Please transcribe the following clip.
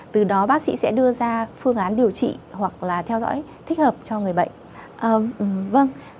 từ đó bác sĩ sẽ đưa ra phương án điều trị hoặc là theo dõi thích hợp cho người bệnh